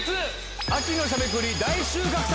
秋のしゃべくり大収穫祭。